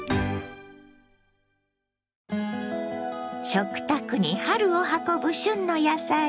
食卓に春を運ぶ旬の野菜。